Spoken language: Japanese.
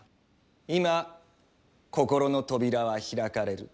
今心の扉は開かれる。